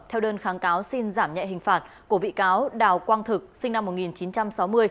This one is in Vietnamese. theo đơn kháng cáo xin giảm nhẹ hình phạt của bị cáo đào quang thực sinh năm một nghìn chín trăm sáu mươi